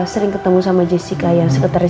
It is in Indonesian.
sering ketemu sama jessica yang sekretaris